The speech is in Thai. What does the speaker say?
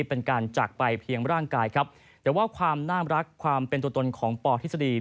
เป็นการจากไปเพียงร่างกายครับแต่ว่าความน่ารักความเป็นตัวตนของปทฤษฎี